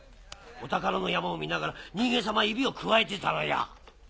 お宝の山を見ながら人間様は指をくわえてたのよ。